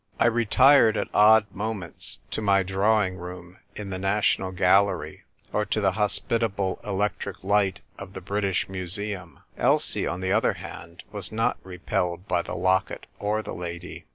I retired at odd moments to my drawing room in the National Gallery, or to the hospitable electric light of the British Museum. Elsie, on the other hand, was not repelled by the locket or the lady.